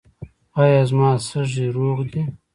ایا زما سږي روغ دي؟